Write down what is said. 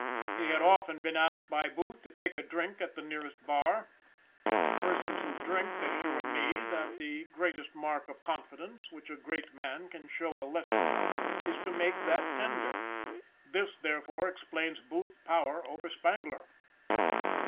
He had often been asked by Booth to take a drink at the nearest bar. Persons who drink assure me that the greatest mark of confidence which a great man can show a lesser one is to make that tender; this, therefore, explains Booth's power over Spangler.